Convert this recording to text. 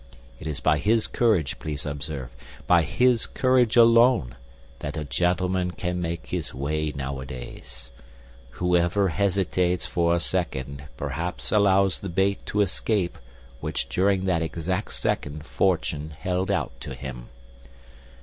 It is by his courage, please observe, by his courage alone, that a gentleman can make his way nowadays. Whoever hesitates for a second perhaps allows the bait to escape which during that exact second fortune held out to him.